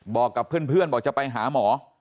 บอกกับเพื่อนบอกจะไปหาหมอ